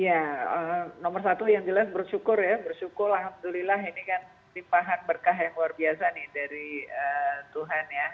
ya nomor satu yang jelas bersyukur ya bersyukur alhamdulillah ini kan simpahan berkah yang luar biasa nih dari tuhan ya